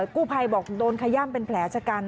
กู้ภัยบอกโดนขย่ำเป็นแผลชะกัน